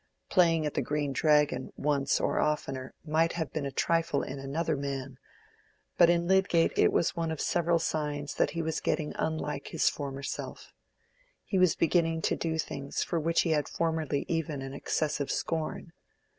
Playing at the Green Dragon once or oftener might have been a trifle in another man; but in Lydgate it was one of several signs that he was getting unlike his former self. He was beginning to do things for which he had formerly even an excessive scorn.